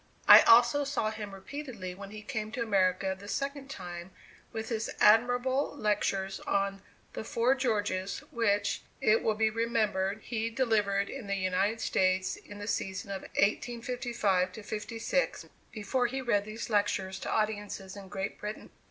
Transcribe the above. I also saw him repeatedly when he came to America the second time with his admirable lectures on "The Four Georges," which, it will be remembered he delivered in the United States in the season of 1855 56, before he read these lectures to audiences in Great Britain.